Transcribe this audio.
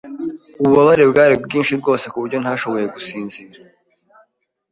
Ububabare bwari bwinshi kuburyo ntashoboye gusinzira.